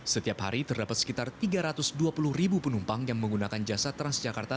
setiap hari terdapat sekitar tiga ratus dua puluh ribu penumpang yang menggunakan jasa transjakarta